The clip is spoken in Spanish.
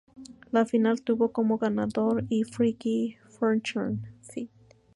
La final tuvo como ganador a Freaky Fortune ft.